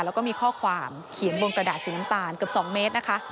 แล้วก็มีข้อความเขียนบนกระดาษสีน้ำตาลเกือบ๒เมตรนะคะ